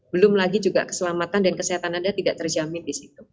belum lagi juga keselamatan dan kesehatan anda tidak terjamin di situ